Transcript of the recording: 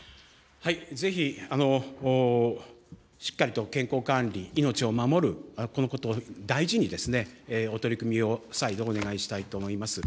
ぜひ、しっかりと健康管理、命を守る、このことを大事に、お取り組みを再度お願いしたいと思います。